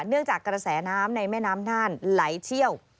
เนื่องจากกระแสน้ำในแม่น้ำน่านไหลเชี่ยว